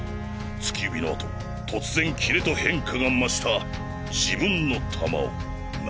突き指のあと突然キレと変化が増した自分の球をな。